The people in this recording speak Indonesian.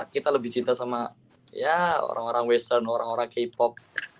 kita lebih cinta sama ya orang orang western orang orang k pop